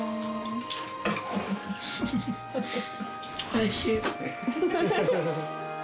おいしい。